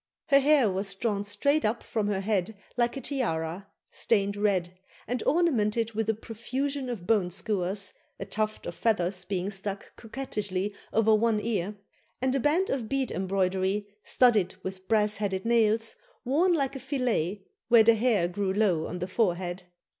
Her hair was drawn straight up from her head like a tiara, stained red, and ornamented with a profusion of bone skewers, a tuft of feathers being stuck coquettishly over one ear, and a band of bead embroidery, studded with brass headed nails, worn like a fillet where the hair grew low on the forehead.